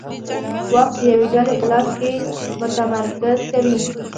واک د یوې ډلې په لاس کې متمرکز کوي